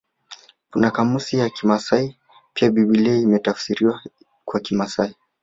Kuna kamusi ya kimasai pia Biblia imetafsiriwa kwa kimasai